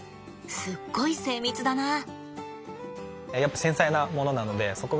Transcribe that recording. すっごい精密だなあ。